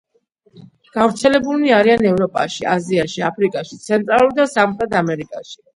გავრცელებულნი არიან ევროპაში, აზიაში, აფრიკაში, ცენტრალურ და სამხრეთ ამერიკაში.